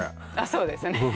そうですね